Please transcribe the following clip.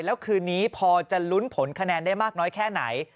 แล้วคืนนี้พอจะลุ้นผลคะแนนได้มากน้อยแค่ไหน